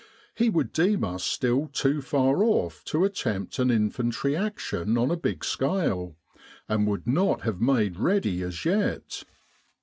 He would deem us still too far off to attempt an infantry action on a big scale, and would not have made ready as yet.